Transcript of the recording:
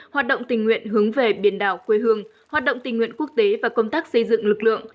hoạt động tình nguyện hướng về biển đảo quê hương hoạt động tình nguyện quốc tế và công tác xây dựng lực lượng